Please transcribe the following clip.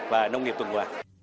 và nông nghiệp tuần qua